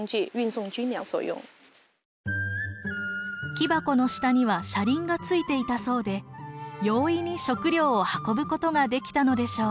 木箱の下には車輪が付いていたそうで容易に食糧を運ぶことができたのでしょう。